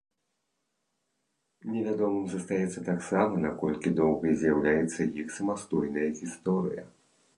Невядомым застаецца таксама, наколькі доўгай з'яўляецца іх самастойная гісторыя.